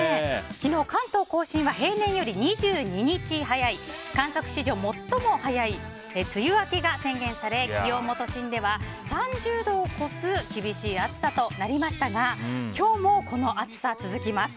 昨日、関東・甲信は平年より２２日早い観測史上最も早い梅雨明けが宣言され、気温も都心では３０度を超す厳しい暑さとなりましたが今日もこの暑さ、続きます。